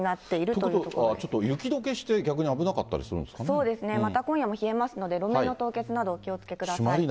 ということはちょっと雪どけして逆に危なかったりするんですそうですね、今夜もまた冷えますので、路面の凍結などお気をつけください。